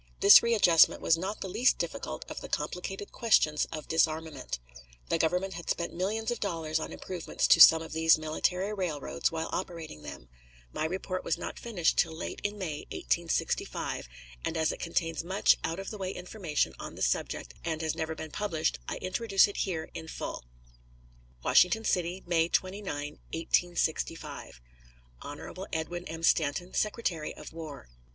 This readjustment was not the least difficult of the complicated questions of disarmament. The Government had spent millions of dollars on improvements to some of these military railroads while operating them. My report was not finished till late in May, 1865, and as it contains much out of the way information on the subject, and has never been published, I introduce it here in full: WASHINGTON CITY, May 29, 1865. Hon. EDWIN M. STANTON, Secretary of War.